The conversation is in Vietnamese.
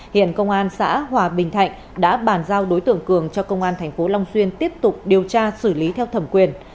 hiện công an xã hòa bình thạnh đã bàn giao đối tượng cường cho công an tp long xuyên tiếp tục điều tra xử lý theo thẩm quyền